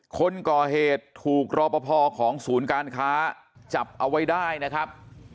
คนก่อเหตุถูกรอปภของศูนย์การค้าจับเอาไว้ได้นะครับ